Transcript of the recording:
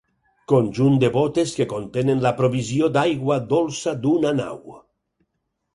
Conjunt de bótes que contenen la provisió d'aigua dolça d'una nau.